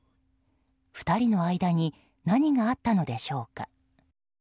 ２人の間に何があったのでしょうか。